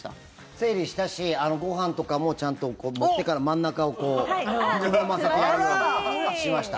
整理したしご飯とかもちゃんと盛ってから真ん中をこう、くぼませてやるようにしました。